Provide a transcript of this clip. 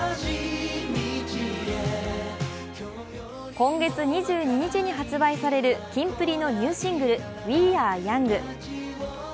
今月２２日に発売されるキンプリのニューシングル「Ｗｅａｒｅｙｏｕｎｇ」。